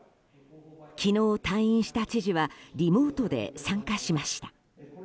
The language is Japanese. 昨日退院した知事はリモートで参加しました。